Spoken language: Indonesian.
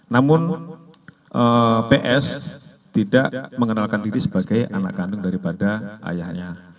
namun ps tidak mengenalkan diri sebagai anak kandung daripada ayahnya